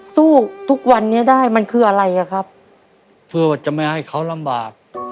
สู้ทุกวันนี้ได้มันคืออะไรอ่ะครับเพื่อจะไม่ให้เขาลำบาก